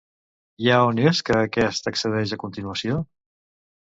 I a on és que aquest accedeix a continuació?